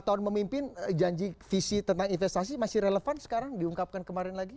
lima tahun memimpin janji visi tentang investasi masih relevan sekarang diungkapkan kemarin lagi